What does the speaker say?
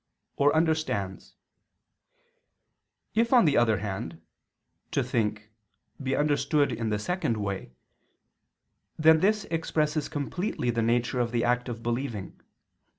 ], or understands. If, on the other hand, "to think" be understood in the second way, then this expresses completely the nature of the act of believing.